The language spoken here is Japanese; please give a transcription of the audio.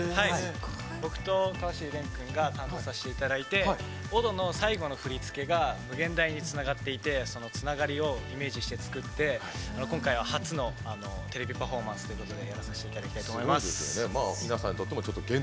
僕と蓮君が担当させていただいて「踊」の最後の振り付けが「無限大」につながっていてつながりをイメージして作っていて今回は初のパフォーマンスということでやらせてもらいます。